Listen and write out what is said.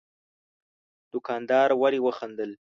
دوکاندار ولي وخندل؟